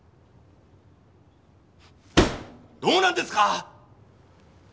どうなんですか！？